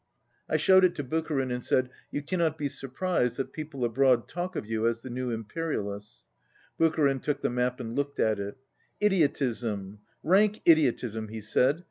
I showed it to Bucharin and said, "You cannot be surprised that people abroad talk of you as of the new Imperialists." Budharin took the map and looked at it. "Idiotism, rank idiotism!" he said.